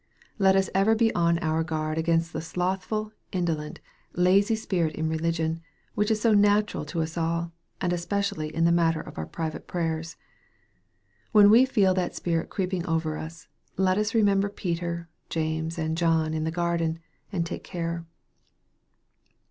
Let us ever be on our guard against the slothful, indolent, lazy spirit in religion, which is natural to us all, and especially in the matter of our private prayers. When we feel that spirit creeping over us, let us remember Peter, James, und John in the garden, and take care.